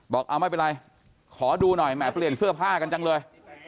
บอกเอาไม่เป็นไรขอดูหน่อยแหมเปลี่ยนเสื้อผ้ากันจังเลย